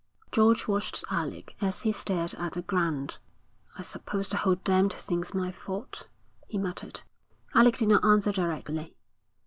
George watched Alec as he stared at the ground. 'I suppose the whole damned thing's my fault,' he muttered. Alec did not answer directly.